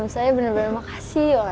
saya bener bener makasih